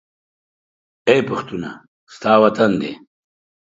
اې پښتونه! ستا وطن دى